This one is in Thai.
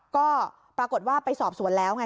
ก็ปรากฏว่าไปสอบสวนแล้วไง